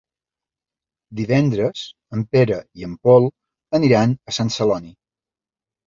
Divendres en Pere i en Pol aniran a Sant Celoni.